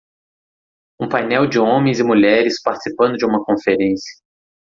Um painel de homens e mulheres participando de uma conferência.